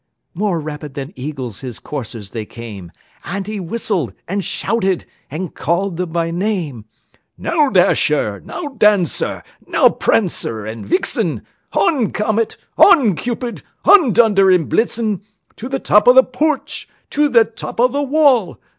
More rapid than eagles his coursers they came, And he whistled, and shouted, and called them by name; "Now, Dasher! now, Dancer! now, Prancer and Vixen! On! Comet, on! Cupid, on! Dunder and Blitzen To the top of the porch, to the top of the wall!